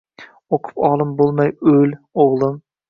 O’qib olim bo’lmay o’l, o’g’lim